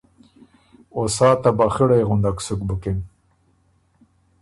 او سا طبع خِړئ غندک سُک بُکِن۔